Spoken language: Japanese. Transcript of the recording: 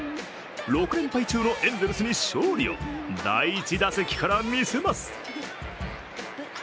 ６連敗中のエンゼルスに勝利を第１打席から見せます。